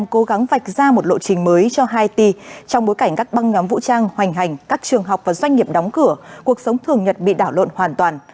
các trường học và doanh nghiệp đóng cửa cuộc sống thường nhật bị đảo lộn hoàn toàn